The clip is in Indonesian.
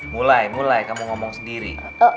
mulai mulai kamu ngomong sendiri